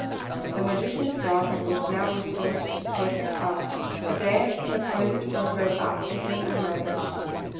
The magician's daughter was now restored to perfect health. A day had been appointed for her baptism and marriage.